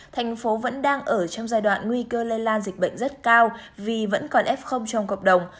thành phố vẫn đang ở trong giai đoạn nguy cơ lây lan dịch bệnh rất cao vì vẫn còn f trong cộng đồng